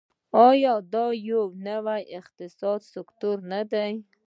آیا دا یو نوی اقتصادي سکتور نه دی؟